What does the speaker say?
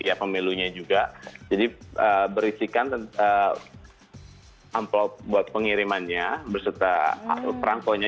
ya pemilunya juga jadi berisikan amplop buat pengirimannya berserta perangkonya